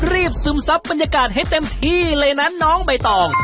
ซึมซับบรรยากาศให้เต็มที่เลยนะน้องใบตอง